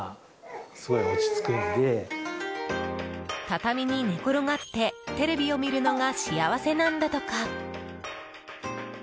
畳に寝転がってテレビを見るのが幸せなんだとか。